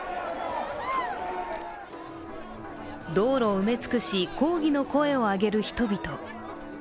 道路を埋め尽くし、抗議の声を上げる人々。